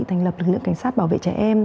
thành lập lực lượng cảnh sát bảo vệ trẻ em